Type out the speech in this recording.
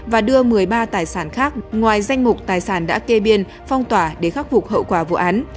và đưa một mươi ba tài sản khác ngoài danh mục tài sản đã kê biên phong tỏa để khắc phục hậu quả vụ án